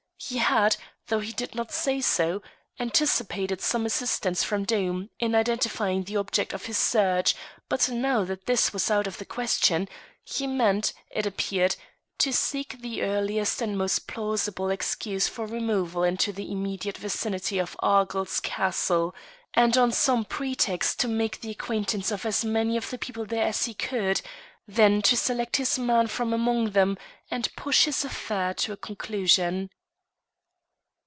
He had, though he did not say so, anticipated some assistance from Doom in identifying the object of his search; but now that this was out of the question, he meant, it appeared, to seek the earliest and most plausible excuse for removal into the immediate vicinity of Argyll's castle, and on some pretext to make the acquaintance of as many of the people there as he could, then to select his man from among them, and push his affair to a conclusion.